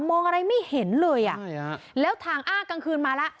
มองอะไรไม่เห็นเลยอ่ะใช่ฮะแล้วทางอ้ากลางคืนมาแล้ว